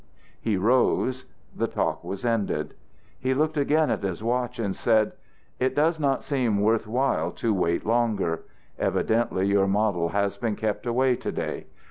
He rose. The talk was ended. He looked again at his watch, and said: "It does not seem worth while to wait longer. Evidently your model has been kept away to day.